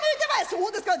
「そうですか。